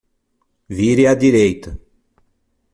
Vire a direita.